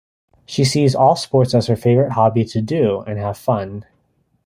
She sees all sports as her favorite hobby to do and have fun.